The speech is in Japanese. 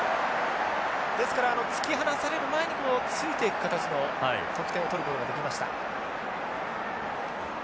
ですから突き放される前についていく形の得点を取ることができました。